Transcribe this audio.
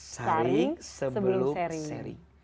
sharing sebelum sharing